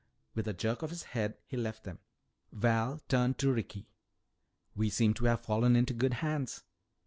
With a jerk of his head he left them. Val turned to Ricky. "We seem to have fallen into good hands."